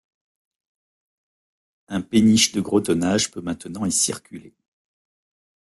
Un péniche de gros tonnage peut maintenant y circuler.